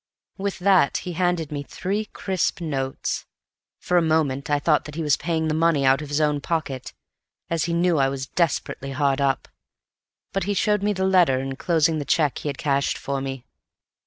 With that he handed me three crisp notes. For a moment I thought that he was paying the money out of his own pocket, as he knew I was desperately hard up; but he showed me the letter enclosing the cheque he had cashed for me.